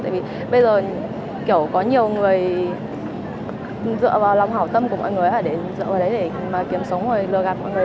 tại vì bây giờ kiểu có nhiều người dựa vào lòng hảo tâm của mọi người hoặc là dựa vào đấy để mà kiếm sống và lừa gạt mọi người